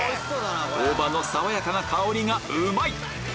大葉の爽やかな香りがうまい！